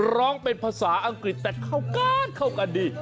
ร้องเป็นภาษาอังกฤษแต่เข้ากันเข้ากันดี